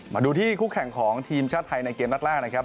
มาดูที่คู่แข่งของทีมชาติไทยในเกมนัดแรกนะครับ